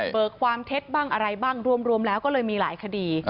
ความเท็จบ้างอะไรบ้างรวมแล้วก็เลยมีหลายคดี